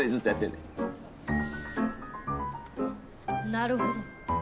なるほど。